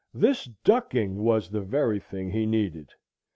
This ducking was the very thing he needed.